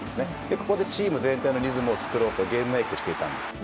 ここでチーム全体のリズムを作ろうとゲームメイクしていたんです。